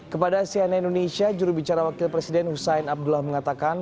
kepada cnn indonesia jurubicara wakil presiden hussein abdullah mengatakan